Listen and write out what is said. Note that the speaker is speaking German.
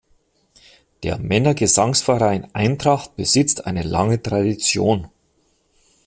Der Männergesangsverein „Eintracht“ besitzt eine lange Tradition.